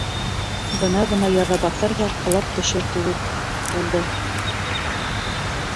Бына-бына яҙа баҫыр ҙа ҡолап төшөр кеүек булды.